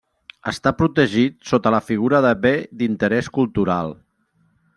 Està protegit sota la figura de Bé d'Interès Cultural.